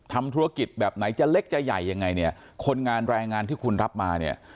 ทำธุรกิจแบบไหนจะเล็กจะใหญ่ยังไงเนี่ยคนงานแรงงานที่คุณรับมาเนี่ย